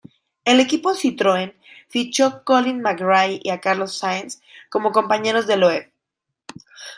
El equipo Citroën fichó Colin McRae y a Carlos Sainz como compañeros de Loeb.